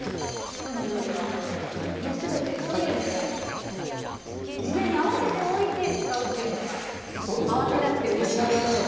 今日の料理は全て調味料も事前に合わせておいて使うというのが慌てなくてうれしいです。